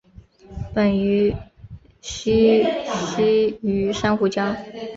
本鱼栖息于珊瑚礁。